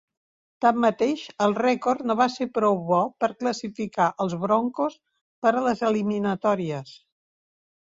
Tanmateix, el rècord no va ser prou bo per classificar els Broncos per a les eliminatòries.